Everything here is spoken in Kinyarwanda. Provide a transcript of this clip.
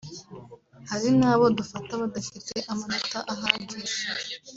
hari n’abo dufata badafite amanota ahagije